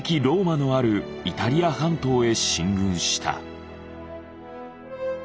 ローマのあるイタリア半島へ進軍した。